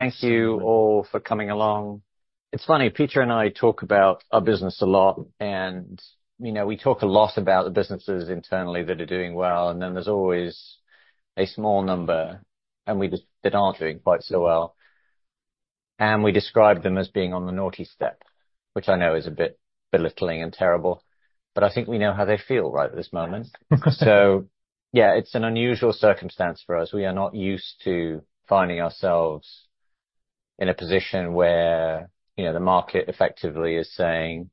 Thank you all for coming along. It's funny, Peter and I talk about our business a lot, and, you know, we talk a lot about the businesses internally that are doing well, and then there's always a small number that aren't doing quite so well, and we describe them as being on the naughty step, which I know is a bit belittling and terrible, but I think we know how they feel right at this moment, so yeah, it's an unusual circumstance for us. We are not used to finding ourselves in a position where, you know, the market effectively is saying,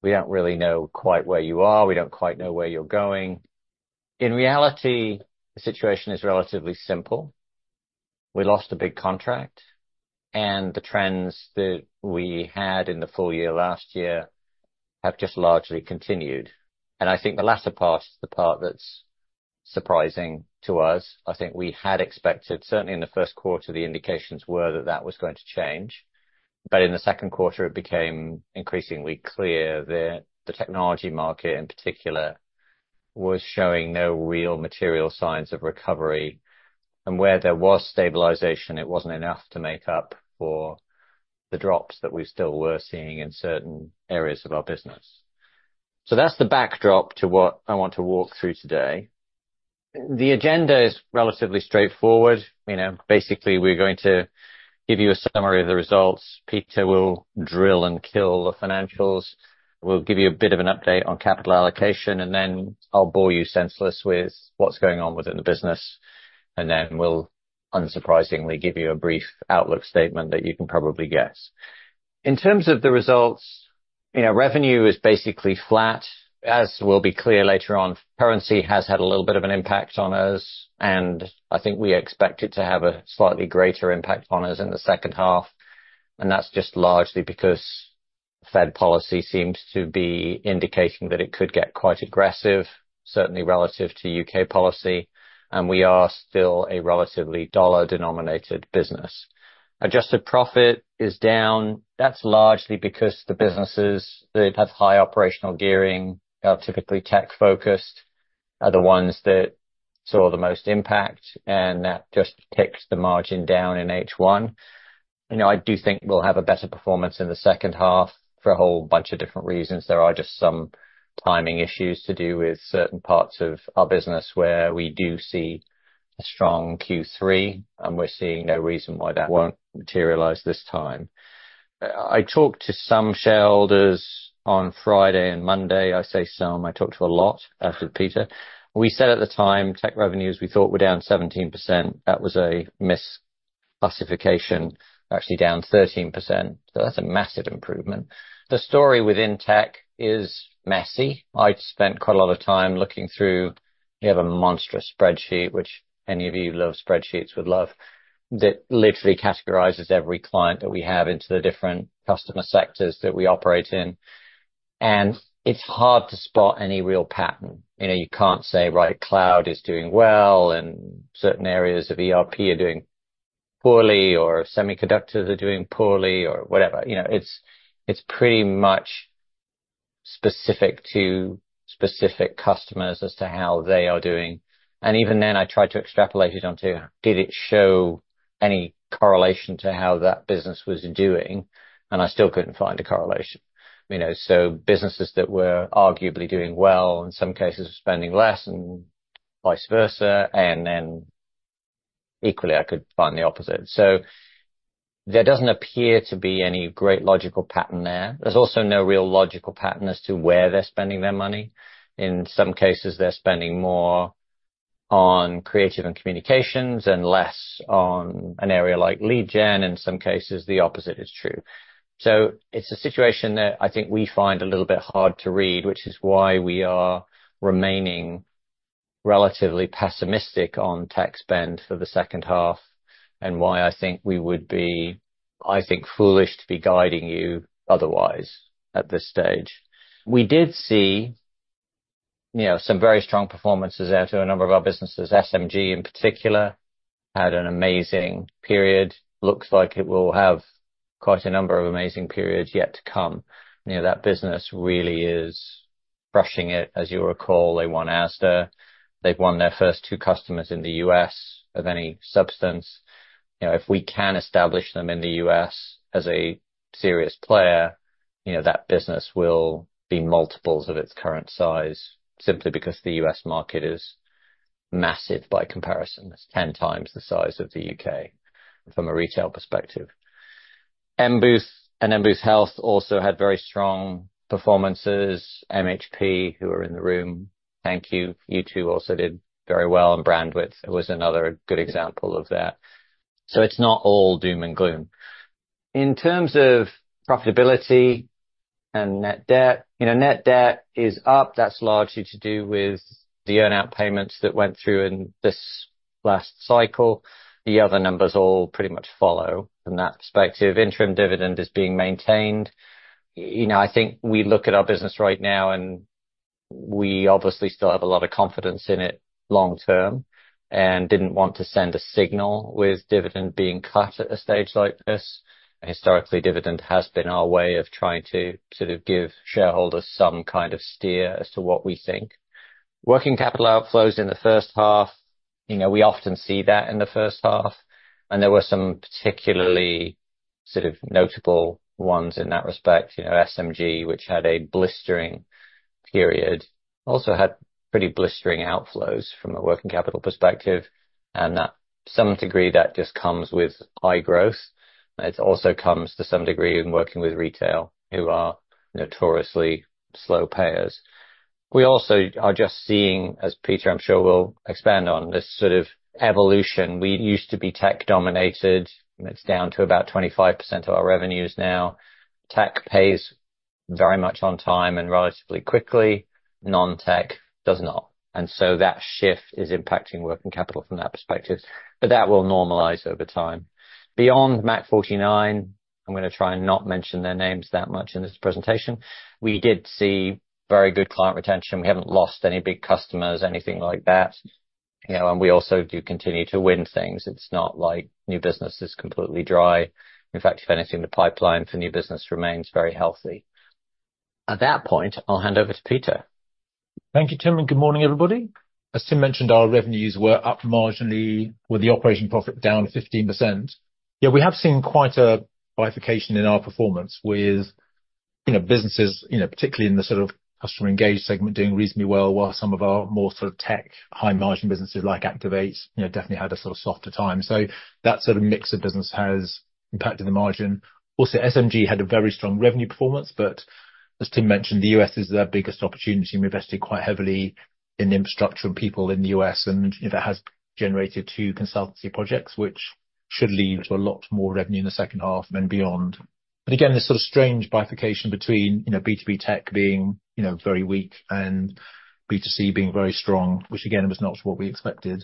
"We don't really know quite where you are. We don't quite know where you're going." In reality, the situation is relatively simple. We lost a big contract, and the trends that we had in the full year last year have just largely continued, and I think the latter part is the part that's surprising to us. I think we had expected, certainly in the first quarter, the indications were that that was going to change, but in the second quarter, it became increasingly clear that the technology market, in particular, was showing no real material signs of recovery, and where there was stabilization, it wasn't enough to make up for the drops that we still were seeing in certain areas of our business, so that's the backdrop to what I want to walk through today. The agenda is relatively straightforward. You know, basically, we're going to give you a summary of the results. Peter will drill and kill the financials. We'll give you a bit of an update on capital allocation, and then I'll bore you senseless with what's going on within the business, and then we'll unsurprisingly give you a brief outlook statement that you can probably guess. In terms of the results, you know, revenue is basically flat. As will be clear later on, currency has had a little bit of an impact on us, and I think we expect it to have a slightly greater impact on us in the second half, and that's just largely because Fed policy seems to be indicating that it could get quite aggressive, certainly relative to U.K. policy, and we are still a relatively dollar-denominated business. Adjusted profit is down. That's largely because the businesses that have high operational gearing are typically tech-focused, are the ones that saw the most impact, and that just takes the margin down in H1. You know, I do think we'll have a better performance in the second half for a whole bunch of different reasons. There are just some timing issues to do with certain parts of our business, where we do see a strong Q3, and we're seeing no reason why that won't materialize this time. I talked to some shareholders on Friday and Monday. I say some, I talked to a lot, with Peter. We said at the time, tech revenues, we thought, were down 17%. That was a misclassification. Actually down 13%, so that's a massive improvement. The story within tech is messy. I've spent quite a lot of time looking through... We have a monstrous spreadsheet, which any of you who love spreadsheets would love, that literally categorizes every client that we have into the different customer sectors that we operate in, and it's hard to spot any real pattern. You know, you can't say, "Right, cloud is doing well, and certain areas of ERP are doing poorly, or semiconductors are doing poorly," or whatever. You know, it's pretty much specific to specific customers as to how they are doing. And even then, I tried to extrapolate it onto: Did it show any correlation to how that business was doing? And I still couldn't find a correlation. You know, so businesses that were arguably doing well, in some cases were spending less and vice versa, and then equally, I could find the opposite. So there doesn't appear to be any great logical pattern there. There's also no real logical pattern as to where they're spending their money. In some cases, they're spending more on creative and communications and less on an area like lead gen. In some cases, the opposite is true. So it's a situation that I think we find a little bit hard to read, which is why we are remaining relatively pessimistic on tech spend for the second half, and why I think we would be, I think, foolish to be guiding you otherwise at this stage. We did see, you know, some very strong performances out of a number of our businesses. SMG, in particular, had an amazing period. Looks like it will have quite a number of amazing periods yet to come. You know, that business really is crushing it. As you recall, they won Asda. They've won their first two customers in the U.S. of any substance. You know, if we can establish them in the U.S. as a serious player, you know, that business will be multiples of its current size, simply because the U.S. market is massive by comparison. It's ten times the size of the U.K. from a retail perspective. M Booth and M Booth Health also had very strong performances. MHP, who are in the room, thank you. You two also did very well, and Brandwidth was another good example of that. So it's not all doom and gloom. In terms of profitability and net debt, you know, net debt is up. That's largely to do with the earn-out payments that went through in this last cycle. The other numbers all pretty much follow from that perspective. Interim dividend is being maintained. You know, I think we look at our business right now, and we obviously still have a lot of confidence in it long term, and didn't want to send a signal with dividend being cut at a stage like this. Historically, dividend has been our way of trying to sort of give shareholders some kind of steer as to what we think. Working capital outflows in the first half. You know, we often see that in the first half, and there were some particularly sort of notable ones in that respect. You know, SMG, which had a blistering period, also had pretty blistering outflows from a working capital perspective, and that, some degree, that just comes with high growth. It also comes, to some degree, in working with retail, who are notoriously slow payers. We also are just seeing, as Peter, I'm sure, will expand on, this sort of evolution. We used to be tech-dominated, and it's down to about 25% of our revenues now. Tech pays very much on time and relatively quickly. Non-tech does not, and so that shift is impacting working capital from that perspective, but that will normalize over time. Beyond Mach49, I'm gonna try and not mention their names that much in this presentation. We did see very good client retention. We haven't lost any big customers, anything like that. You know, and we also do continue to win things. It's not like new business is completely dry. In fact, if anything, the pipeline for new business remains very healthy. At that point, I'll hand over to Peter. Thank you, Tim, and good morning, everybody. As Tim mentioned, our revenues were up marginally, with the operating profit down 15%. Yeah, we have seen quite a bifurcation in our performance with, you know, businesses, you know, particularly in the sort of customer engaged segment, doing reasonably well, while some of our more sort of tech, high-margin businesses like Activate, you know, definitely had a sort of softer time. So that sort of mix of business has impacted the margin. Also, SMG had a very strong revenue performance, but as Tim mentioned, the U.S. is their biggest opportunity, and we invested quite heavily in the infrastructure and people in the U.S., and it has generated two consultancy projects, which should lead to a lot more revenue in the second half and beyond. But again, this sort of strange bifurcation between, you know, B2B tech being, you know, very weak and B2C being very strong, which again, was not what we expected.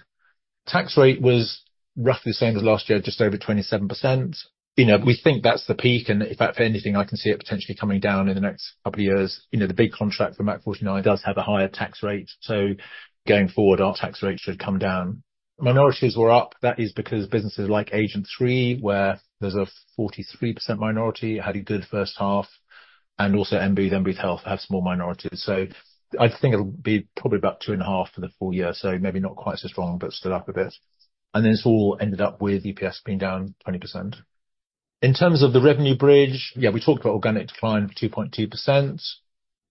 Tax rate was roughly the same as last year, just over 27%. You know, we think that's the peak, and in fact, anything, I can see it potentially coming down in the next couple of years. You know, the big contract for Mach49 does have a higher tax rate, so going forward, our tax rate should come down. Minorities were up. That is because businesses like Agent3, where there's a 43% minority, had a good first half, and also M Booth and M Booth Health have small minorities. So I think it'll be probably about two and a half for the full year, so maybe not quite so strong, but still up a bit. And then this all ended up with EPS being down 20%. In terms of the revenue bridge, yeah, we talked about organic decline of 2.2%.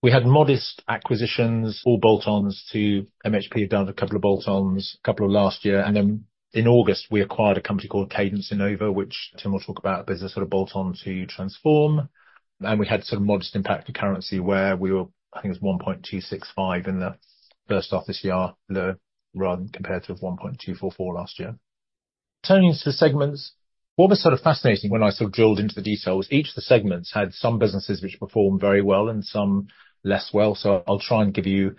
We had modest acquisitions or bolt-ons to MHP, done a couple of bolt-ons couple of last year, and then in August, we acquired a company called Cadence Innova, which Tim will talk about, a business sort of bolt-on to Transform. And we had some modest impact to currency, where we were, I think it was 1.265 in the first half this year, the run, compared to 1.244 last year. Turning to the segments, what was sort of fascinating when I sort of drilled into the detail was each of the segments had some businesses which performed very well and some less well, so I'll try and give you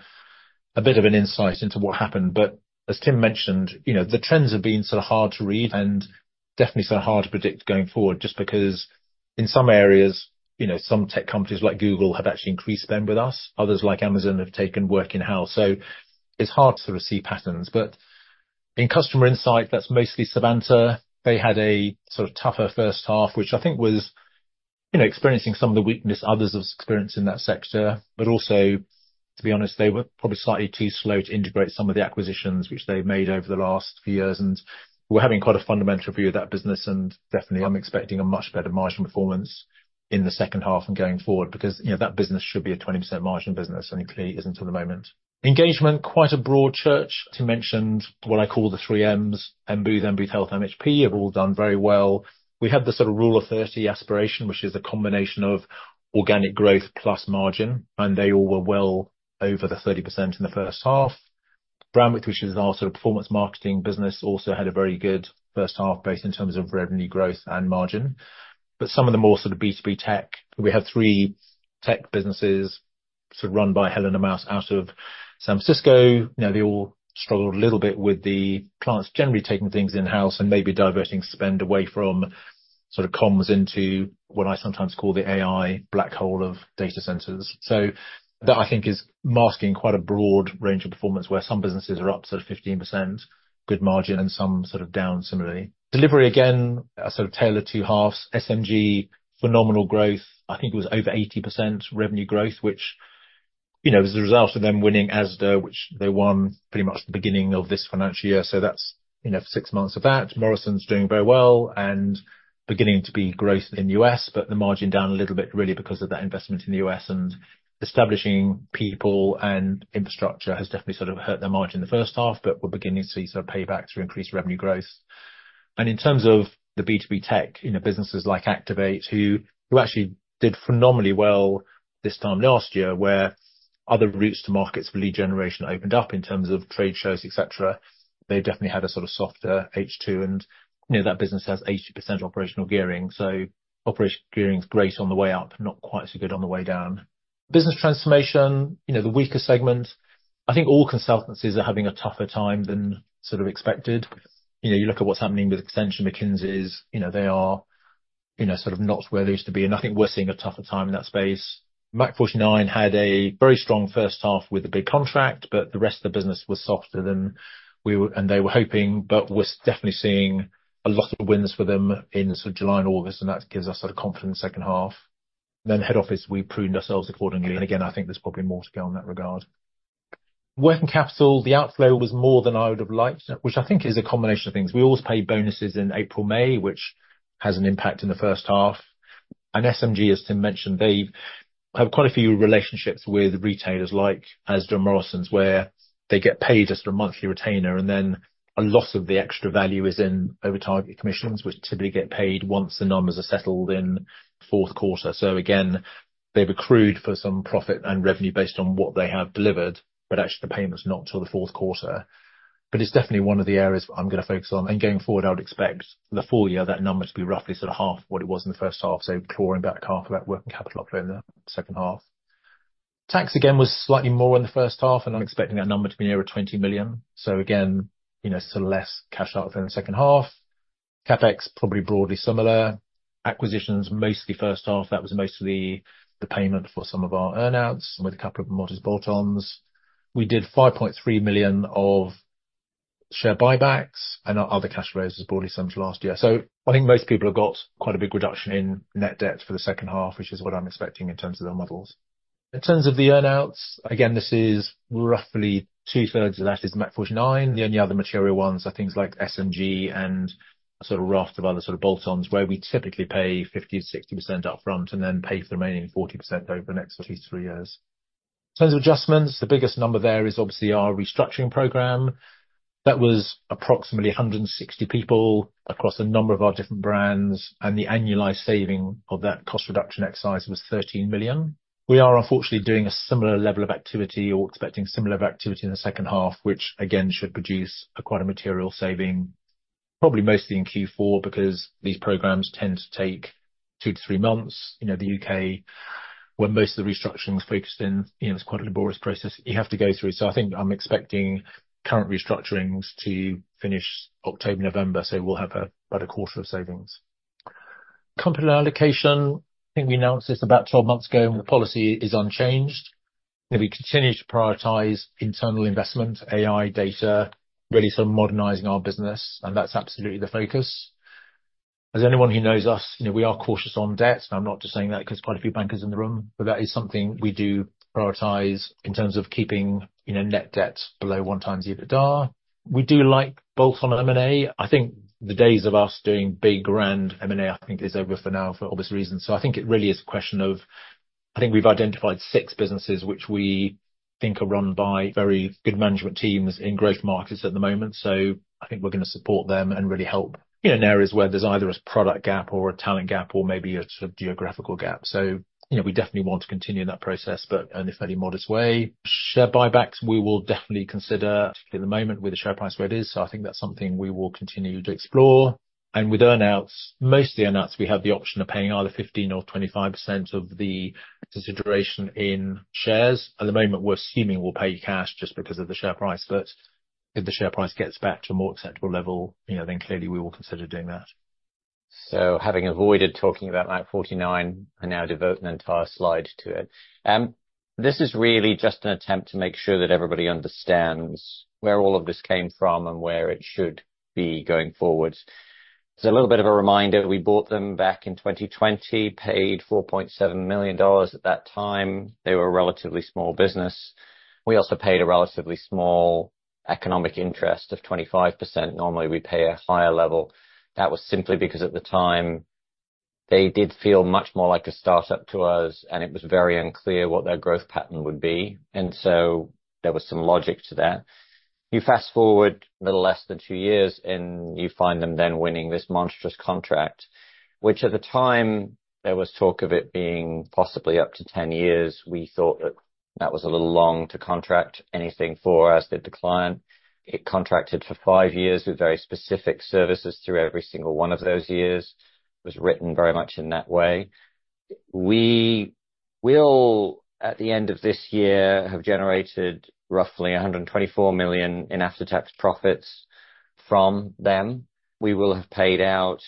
a bit of an insight into what happened. But as Tim mentioned, you know, the trends have been sort of hard to read and definitely sort of hard to predict going forward, just because in some areas, you know, some tech companies like Google have actually increased spend with us. Others, like Amazon, have taken work in-house, so it's hard to sort of see patterns. But in customer insight, that's mostly Savanta. They had a sort of tougher first half, which I think was, you know, experiencing some of the weakness others have experienced in that sector, but also, to be honest, they were probably slightly too slow to integrate some of the acquisitions which they've made over the last few years. And we're having quite a fundamental review of that business, and definitely I'm expecting a much better margin performance in the second half and going forward, because, you know, that business should be a 20% margin business, and it clearly isn't at the moment. Engagement, quite a broad church. Tim mentioned what I call the three M's, M Booth, M Booth Health, MHP, have all done very well. We had the sort of Rule of 30 aspiration, which is a combination of organic growth plus margin, and they all were well over the 30% in the first half. Brandwidth, which is our sort of performance marketing business, also had a very good first half, both in terms of revenue growth and margin. But some of the more sort of B2B tech, we have three tech businesses, sort of run by Helena Maus out of San Francisco. You know, they all struggled a little bit with the clients generally taking things in-house and maybe diverting spend away from sort of comms into what I sometimes call the AI black hole of data centers. So that, I think, is masking quite a broad range of performance, where some businesses are up sort of 15%, good margin, and some sort of down similarly. Delivery, again, a sort of tale of two halves. SMG, phenomenal growth. I think it was over 80% revenue growth, which, you know, is a result of them winning Asda, which they won pretty much the beginning of this financial year, so that's, you know, six months of that. Morrisons doing very well and beginning to be growth in the U.S., but the margin down a little bit, really, because of that investment in the U.S., and establishing people and infrastructure has definitely sort of hurt their margin in the first half, but we're beginning to see some payback through increased revenue growth. In terms of the B2B tech, you know, businesses like Activate, who actually did phenomenally well this time last year, where other routes to markets for lead generation opened up in terms of trade shows, et cetera, they definitely had a sort of softer H2, and, you know, that business has 80% operational gearing, so operational gearing's great on the way up, not quite so good on the way down. Business transformation, you know, the weaker segment. I think all consultancies are having a tougher time than sort of expected. You know, you look at what's happening with Accenture, McKinsey, you know, they are, you know, sort of not where they used to be, and I think we're seeing a tougher time in that space. Mach49 had a very strong first half with the big contract, but the rest of the business was softer than we were - and they were hoping, but we're definitely seeing a lot of wins for them in sort of July and August, and that gives us sort of confidence second half. Then head office, we pruned ourselves accordingly, and again, I think there's probably more to go in that regard. Working capital, the outflow was more than I would have liked, which I think is a combination of things. We always pay bonuses in April, May, which has an impact in the first half. And SMG, as Tim mentioned, they have quite a few relationships with retailers like Asda and Morrisons, where they get paid just a monthly retainer, and then a lot of the extra value is in over target commissions, which typically get paid once the numbers are settled in fourth quarter. So again, they have accrued for some profit and revenue based on what they have delivered, but actually the payment's not till the fourth quarter. But it's definitely one of the areas I'm gonna focus on, and going forward, I would expect the full year, that number to be roughly sort of half what it was in the first half, so clawing back half of that working capital up there in the second half. Tax, again, was slightly more in the first half, and I'm expecting that number to be nearer 20 million. So again, you know, sort of less cash out there in the second half. CapEx, probably broadly similar. Acquisitions, mostly first half. That was mostly the payment for some of our earn-outs and with a couple of modest bolt-ons. We did 5.3 million of share buybacks, and our other cash flows was broadly similar to last year. So I think most people have got quite a big reduction in net debt for the second half, which is what I'm expecting in terms of their models. In terms of the earn-outs, again, this is roughly two-thirds of that is Mach49. The only other material ones are things like SMG and a sort of raft of other sort of bolt-ons, where we typically pay 50%-60% upfront and then pay for the remaining 40% over the next at least three years. In terms of adjustments, the biggest number there is obviously our restructuring program. That was approximately 160 people across a number of our different brands, and the annualized saving of that cost reduction exercise was 13 million. We are unfortunately doing a similar level of activity or expecting similar activity in the second half, which again, should produce quite a material saving, probably mostly in Q4, because these programs tend to take 2 to 3 months. You know, the U.K., where most of the restructuring is focused in, you know, it's quite a laborious process you have to go through. So I think I'm expecting current restructurings to finish October, November, so we'll have about a quarter of savings. Capital allocation, I think we announced this about 12 months ago, and the policy is unchanged. We continue to prioritize internal investment, AI, data, really sort of modernizing our business, and that's absolutely the focus. As anyone who knows us, you know, we are cautious on debt, and I'm not just saying that 'cause quite a few bankers in the room, but that is something we do prioritize in terms of keeping, you know, net debt below one times EBITDA. We do like both on M&A. I think the days of us doing big grand M&A, I think is over for now for obvious reasons. I think it really is a question of... I think we've identified six businesses, which we think are run by very good management teams in growth markets at the moment. So I think we're gonna support them and really help in areas where there's either a product gap or a talent gap or maybe a sort of geographical gap. You know, we definitely want to continue that process, but in a fairly modest way. Share buybacks, we will definitely consider, particularly at the moment, with the share price where it is, so I think that's something we will continue to explore. And with earn-outs, most of the earn-outs, we have the option of paying either 15% or 25% of the consideration in shares. At the moment, we're assuming we'll pay you cash just because of the share price, but if the share price gets back to a more acceptable level, you know, then clearly we will consider doing that. Having avoided talking about Mach49, I now devote an entire slide to it. This is really just an attempt to make sure that everybody understands where all of this came from and where it should be going forward. So a little bit of a reminder, we bought them back in 2020, paid $4.7 million at that time. They were a relatively small business. We also paid a relatively small economic interest of 25%. Normally, we pay a higher level. That was simply because at the time, they did feel much more like a startup to us, and it was very unclear what their growth pattern would be, and so there was some logic to that. You fast-forward a little less than two years, and you find them then winning this monstrous contract, which at the time there was talk of it being possibly up to 10 years. We thought that that was a little long to contract anything for us, that the client, it contracted for five years with very specific services through every single one of those years. It was written very much in that way. We, we all, at the end of this year, have generated roughly 124 million in after-tax profits from them. We will have paid out,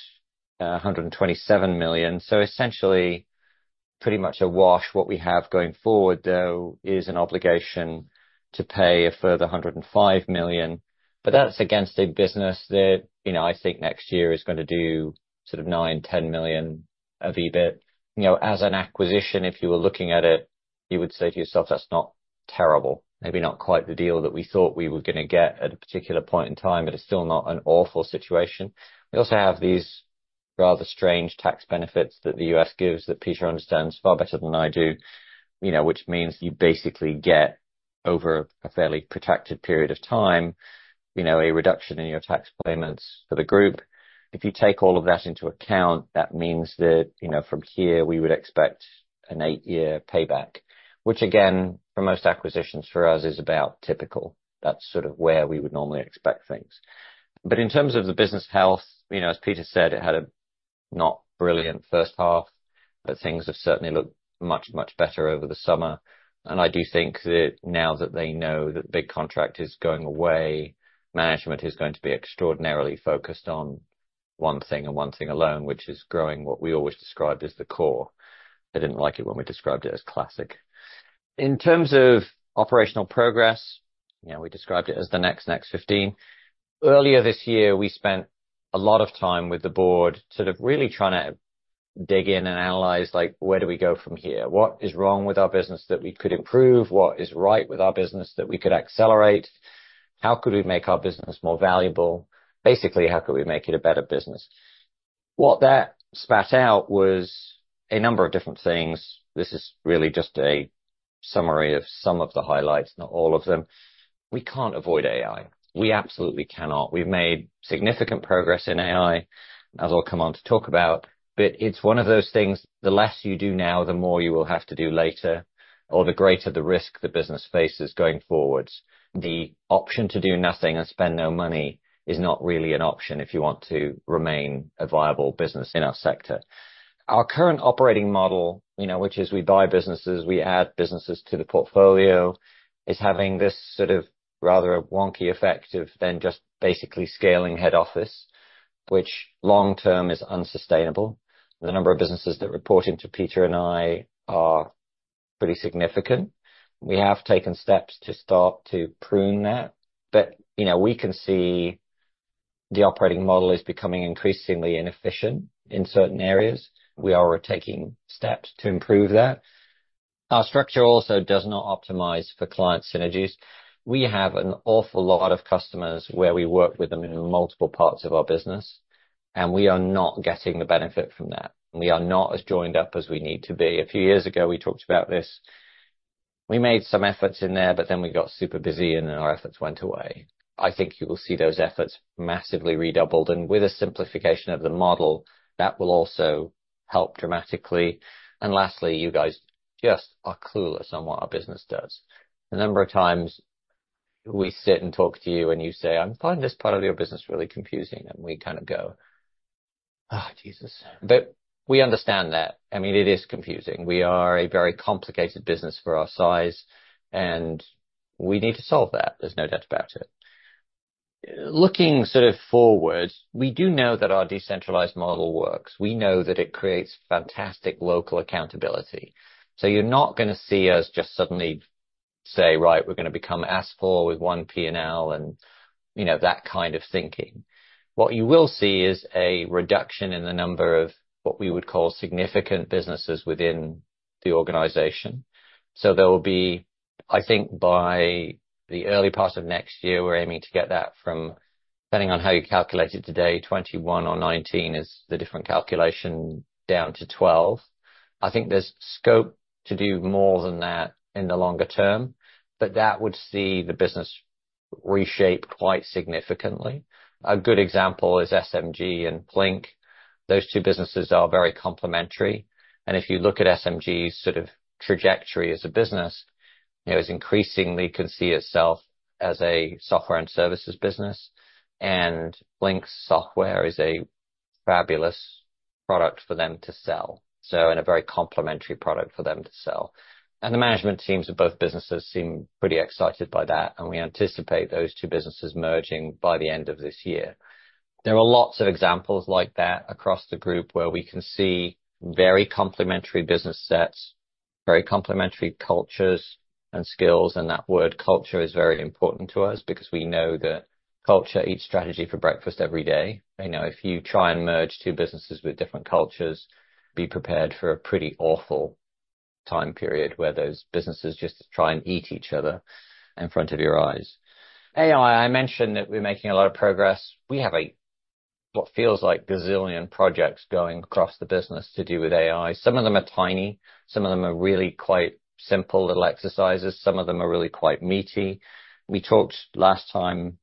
a hundred and twenty-seven million, so essentially, pretty much a wash. What we have going forward, though, is an obligation to pay a further 105 million, but that's against a business that, you know, I think next year is gonna do sort of 9-10 million of EBIT. You know, as an acquisition, if you were looking at it, you would say to yourself, "That's not terrible." Maybe not quite the deal that we thought we were gonna get at a particular point in time, but it's still not an awful situation. We also have these rather strange tax benefits that the U.S. gives that Peter understands far better than I do, you know, which means you basically get over a fairly protected period of time, you know, a reduction in your tax payments for the group. If you take all of that into account, that means that, you know, from here, we would expect an eight-year payback, which again, for most acquisitions for us, is about typical. That's sort of where we would normally expect things. But in terms of the business health, you know, as Peter said, it had a not brilliant first half, but things have certainly looked much, much better over the summer. And I do think that now that they know that big contract is going away, management is going to be extraordinarily focused on one thing and one thing alone, which is growing what we always described as the core. They didn't like it when we described it as classic. In terms of operational progress, you know, we described it as the Next 15. Earlier this year, we spent a lot of time with the board, sort of really trying to dig in and analyze, like, where do we go from here? What is wrong with our business that we could improve? What is right with our business that we could accelerate? How could we make our business more valuable? Basically, how could we make it a better business? What that spat out was a number of different things. This is really just a summary of some of the highlights, not all of them. We can't avoid AI. We absolutely cannot. We've made significant progress in AI, as I'll come on to talk about, but it's one of those things, the less you do now, the more you will have to do later, or the greater the risk the business faces going forwards. The option to do nothing and spend no money is not really an option if you want to remain a viable business in our sector. Our current operating model, you know, which is we buy businesses, we add businesses to the portfolio, is having this sort of rather wonky effect of then just basically scaling head office, which long term is unsustainable. The number of businesses that reporting to Peter and I are pretty significant. We have taken steps to start to prune that, but, you know, we can see the operating model is becoming increasingly inefficient in certain areas. We are taking steps to improve that. Our structure also does not optimize for client synergies. We have an awful lot of customers where we work with them in multiple parts of our business, and we are not getting the benefit from that. We are not as joined up as we need to be. A few years ago, we talked about this. We made some efforts in there, but then we got super busy and then our efforts went away. I think you will see those efforts massively redoubled, and with a simplification of the model, that will also help dramatically. Lastly, you guys just are clueless on what our business does. The number of times we sit and talk to you and you say, "I'm finding this part of your business really confusing." We kind of go, "Ah, Jesus!" But we understand that. I mean, it is confusing. We are a very complicated business for our size, and we need to solve that. There's no doubt about it. Looking sort of forwards, we do know that our decentralized model works. We know that it creates fantastic local accountability. So you're not gonna see us just suddenly say, "Right, we're gonna become a central with one P&L," and you know, that kind of thinking. What you will see is a reduction in the number of what we would call significant businesses within the organization. So there will be, I think by the early part of next year, we're aiming to get that from, depending on how you calculate it today, 21 or 19 is the different calculation down to 12. I think there's scope to do more than that in the longer term, but that would see the business reshaped quite significantly. A good example is SMG and Plinc. Those two businesses are very complementary, and if you look at SMG's sort of trajectory as a business, you know, it's increasingly can see itself as a software and services business, and Plinc's software is a fabulous product for them to sell, so and a very complementary product for them to sell. And the management teams of both businesses seem pretty excited by that, and we anticipate those two businesses merging by the end of this year. There are lots of examples like that across the group, where we can see very complementary business sets, very complementary cultures and skills, and that word, culture, is very important to us because we know that culture eats strategy for breakfast every day. I know if you try and merge two businesses with different cultures, be prepared for a pretty awful time period, where those businesses just try and eat each other in front of your eyes. AI, I mentioned that we're making a lot of progress. We have a, what feels like gazillion projects going across the business to do with AI. Some of them are tiny, some of them are really quite simple little exercises, some of them are really quite meaty. We talked last time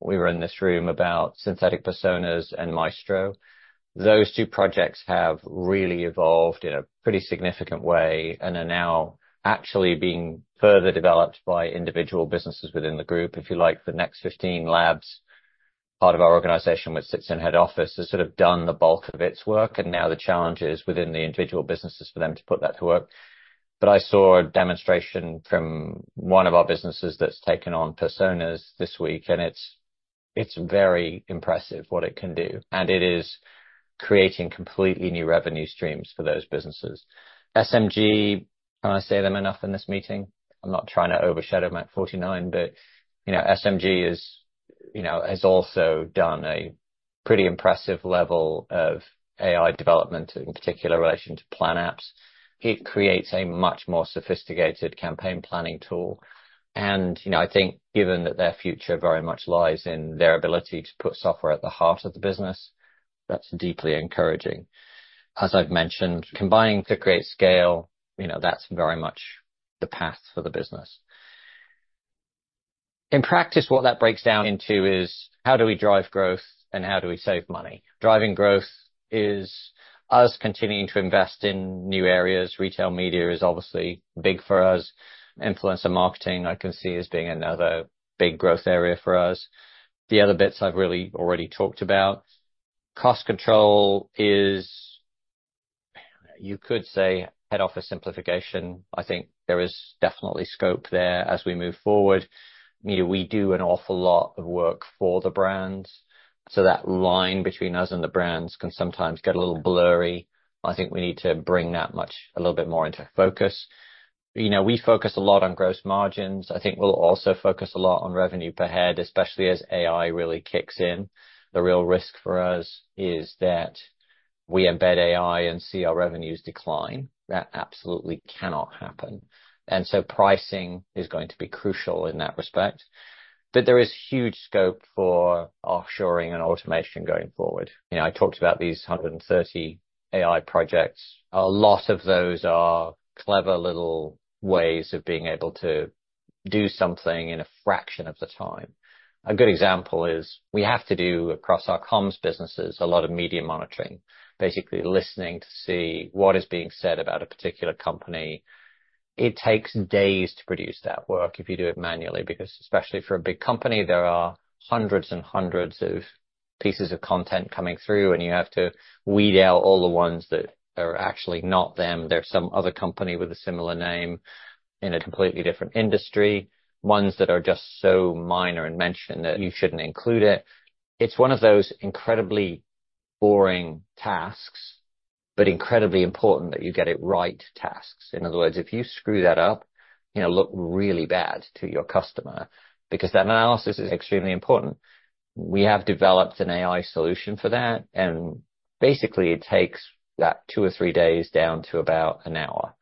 we were in this room about synthetic personas and Maestro. Those two projects have really evolved in a pretty significant way and are now actually being further developed by individual businesses within the group. If you like, the Next 15 Labs, part of our organization, which sits in Head Office, has sort of done the bulk of its work, and now the challenge is within the individual businesses for them to put that to work. But I saw a demonstration from one of our businesses that's taken on personas this week, and it's very impressive what it can do, and it is creating completely new revenue streams for those businesses. SMG, can I say them enough in this meeting? I'm not trying to overshadow Mach49, but you know, SMG is, you know, has also done a pretty impressive level of AI development, in particular relation to Plan-Apps. It creates a much more sophisticated campaign planning tool, and, you know, I think given that their future very much lies in their ability to put software at the heart of the business, that's deeply encouraging. As I've mentioned, combining to create scale, you know, that's very much the path for the business. In practice, what that breaks down into is: how do we drive growth and how do we save money? Driving growth is us continuing to invest in new areas. Retail media is obviously big for us. Influencer marketing I can see as being another big growth area for us. The other bits I've really already talked about. Cost control is, you could say, head office simplification. I think there is definitely scope there as we move forward. You know, we do an awful lot of work for the brands, so that line between us and the brands can sometimes get a little blurry... I think we need to bring that much, a little bit more into focus. You know, we focus a lot on gross margins. I think we'll also focus a lot on revenue per head, especially as AI really kicks in. The real risk for us is that we embed AI and see our revenues decline. That absolutely cannot happen. And so pricing is going to be crucial in that respect. But there is huge scope for offshoring and automation going forward. You know, I talked about these 130 AI projects. A lot of those are clever little ways of being able to do something in a fraction of the time. A good example is, we have to do, across our comms businesses, a lot of media monitoring, basically listening to see what is being said about a particular company. It takes days to produce that work if you do it manually, because especially for a big company, there are hundreds and hundreds of pieces of content coming through, and you have to weed out all the ones that are actually not them. They're some other company with a similar name in a completely different industry. Ones that are just so minor in mention, that you shouldn't include it. It's one of those incredibly boring tasks, but incredibly important that you get it right tasks. In other words, if you screw that up, you're gonna look really bad to your customer, because that analysis is extremely important. We have developed an AI solution for that, and basically, it takes that two or three days down to about an hour.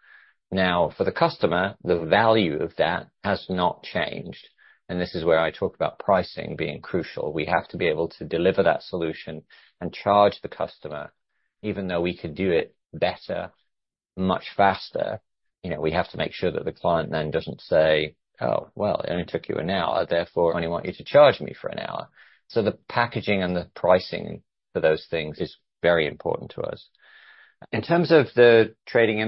Now, for the customer, the value of that has not changed, and this is where I talk about pricing being crucial. We have to be able to deliver that solution and charge the customer, even though we could do it better, much faster. You know, we have to make sure that the client then doesn't say, "Oh, well, it only took you an hour, therefore, I only want you to charge me for an hour." So the packaging and the pricing for those things is very important to us. In terms of the trading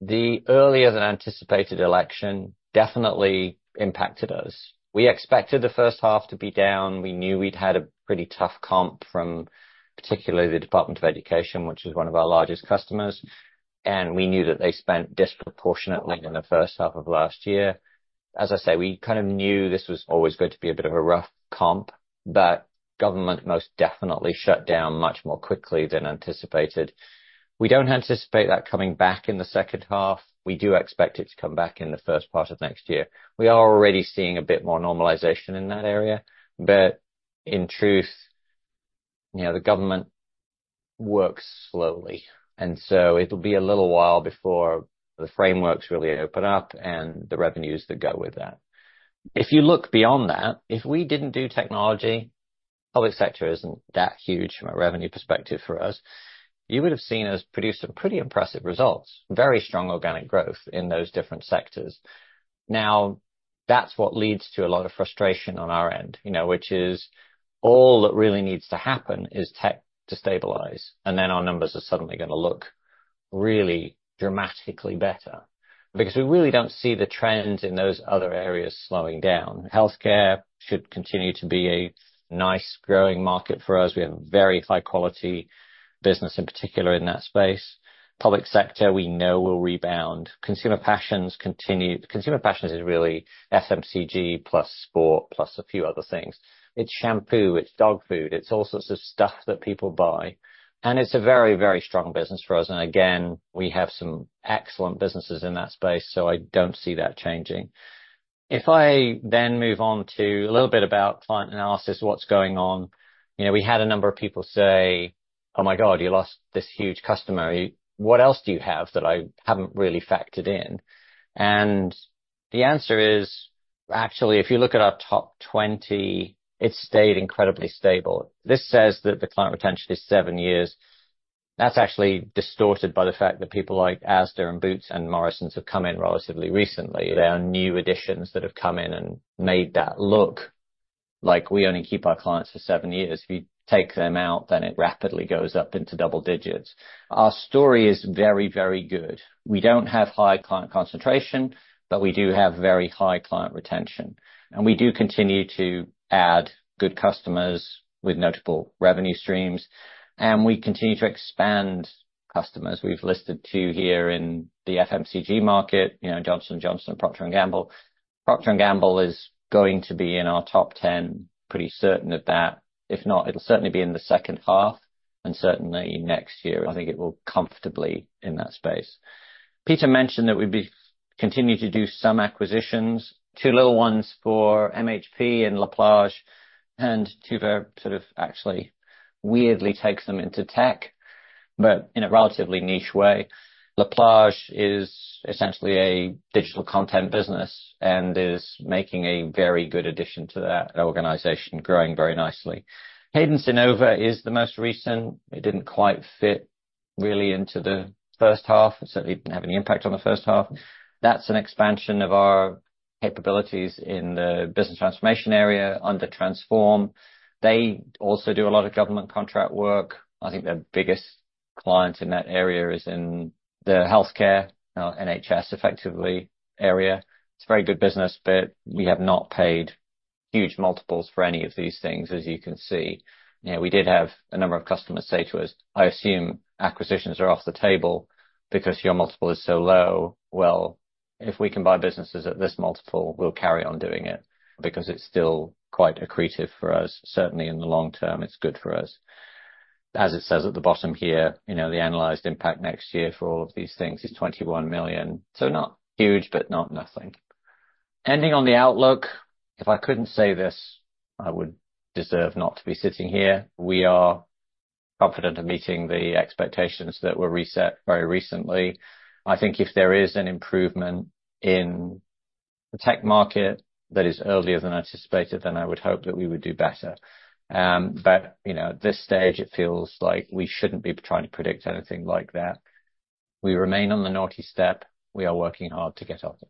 environment, the earlier than anticipated election definitely impacted us. We expected the first half to be down. We knew we'd had a pretty tough comp from particularly the Department for Education, which is one of our largest customers, and we knew that they spent disproportionately in the first half of last year. As I say, we kind of knew this was always going to be a bit of a rough comp, but government most definitely shut down much more quickly than anticipated. We don't anticipate that coming back in the second half. We do expect it to come back in the first part of next year. We are already seeing a bit more normalization in that area, but in truth, you know, the government works slowly, and so it'll be a little while before the frameworks really open up and the revenues that go with that. If you look beyond that, if we didn't do technology, public sector isn't that huge from a revenue perspective for us. You would have seen us produce some pretty impressive results, very strong organic growth in those different sectors. Now, that's what leads to a lot of frustration on our end, you know, which is all that really needs to happen is tech to stabilize, and then our numbers are suddenly gonna look really dramatically better, because we really don't see the trends in those other areas slowing down. Healthcare should continue to be a nice, growing market for us. We have a very high quality business, in particular in that space. Public sector, we know will rebound. Consumer Passions continue. Consumer Passions is really FMCG, plus sport, plus a few other things. It's shampoo, it's dog food, it's all sorts of stuff that people buy, and it's a very, very strong business for us, and again, we have some excellent businesses in that space, so I don't see that changing. If I then move on to a little bit about client analysis, what's going on, you know, we had a number of people say, "Oh my God, you lost this huge customer. What else do you have that I haven't really factored in?" And the answer is, actually, if you look at our top 20, it's stayed incredibly stable. This says that the client retention is seven years. That's actually distorted by the fact that people like Asda and Boots and Morrisons have come in relatively recently. They are new additions that have come in and made that look like we only keep our clients for seven years. If you take them out, then it rapidly goes up into double digits. Our story is very, very good. We don't have high client concentration, but we do have very high client retention, and we do continue to add good customers with notable revenue streams, and we continue to expand customers. We've listed two here in the FMCG market, you know, Johnson & Johnson, Procter & Gamble. Procter & Gamble is going to be in our top ten, pretty certain of that. If not, it'll certainly be in the second half, and certainly next year, I think it will comfortably in that space. Peter mentioned that we'd be continuing to do some acquisitions, two little ones for MHP and La Plage, and two that sort of actually weirdly takes them into tech, but in a relatively niche way. La Plage is essentially a digital content business and is making a very good addition to that organization, growing very nicely. Cadence Innova is the most recent. It didn't quite fit really into the first half. It certainly didn't have any impact on the first half. That's an expansion of our capabilities in the business transformation area under Transform. They also do a lot of government contract work. I think their biggest client in that area is in the healthcare, NHS, effectively, area. It's a very good business, but we have not paid huge multiples for any of these things, as you can see. You know, we did have a number of customers say to us, "I assume acquisitions are off the table because your multiple is so low." Well, if we can buy businesses at this multiple, we'll carry on doing it, because it's still quite accretive for us. Certainly, in the long term, it's good for us. As it says at the bottom here, you know, the analyzed impact next year for all of these things is 21 million, so not huge, but not nothing. Ending on the outlook, if I couldn't say this, I would deserve not to be sitting here. We are confident of meeting the expectations that were reset very recently. I think if there is an improvement in the tech market that is earlier than anticipated, then I would hope that we would do better, but you know, at this stage, it feels like we shouldn't be trying to predict anything like that. We remain on the naughty step. We are working hard to get off it.